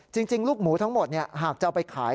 จริงลูกหมูทั้งหมดหากจะเอาไปขาย